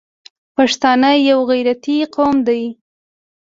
پښتانه یو غیرتي قوم دی.